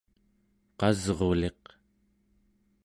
qasruliq